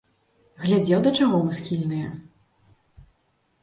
Глядзеў, да чаго мы схільныя.